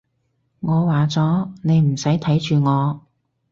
我話咗，你唔使睇住我